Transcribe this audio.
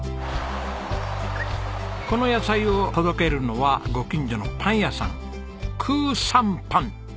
この野菜を届けるのはご近所のパン屋さん「くぅＳｕｎぱん」。